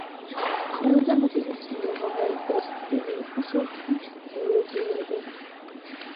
ყველაზე მეტი ვინც მიიღო ვალიდეს ტიტული იყო სულთნის ბიოლოგიური დედა.